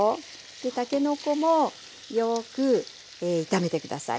たけのこもよく炒めて下さい。